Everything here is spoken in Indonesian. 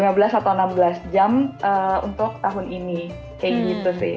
eee enam belas jam ya kalau nggak salah gitu lima belas atau enam belas jam untuk tahun ini kayak gitu sih